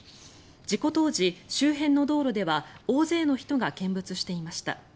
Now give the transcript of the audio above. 事故当時、周辺の道路では大勢の人が見物していました。